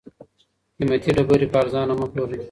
قیمتي ډبرې په ارزانه مه پلورئ.